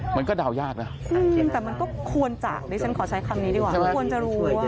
มันก็ด่าวยากนะอืมแต่มันก็ควรจ่ะดิฉันขอใช้คำนี้ดีกว่า